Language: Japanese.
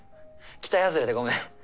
期待外れでごめん。